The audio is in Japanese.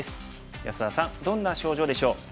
安田さんどんな症状でしょう？